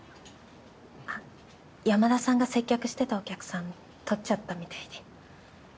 あっ山田さんが接客してたお客さんとっちゃったみたいで。